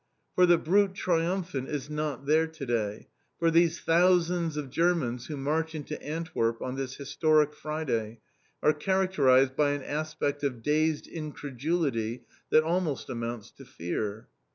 But the brute triumphant is not there to day, for these thousands of Germans who march into Antwerp on this historic Friday, are characterised by an aspect of dazed incredulity that almost amounts to fear.